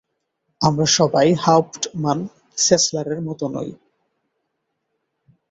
আমরা সবাই হাউপ্টমান সেসলারের মত নই।